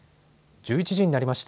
１１時になりました。